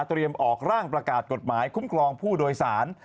ออกร่างประกาศกฎหมายคุ้มครองผู้โดยสาร